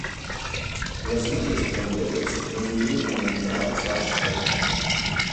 Les noies Rambleres no volien ni entrar als bars heavy.